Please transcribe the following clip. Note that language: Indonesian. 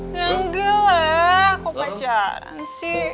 nanggela kok pacaran sih